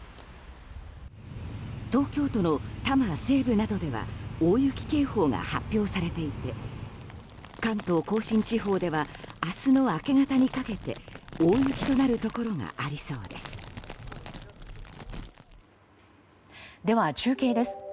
東京都の多摩西部などでは大雪警報が発表されていて関東・甲信地方では明日の明け方にかけて大雪となるところがありそうです。